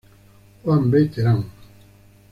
Juan B. Terán.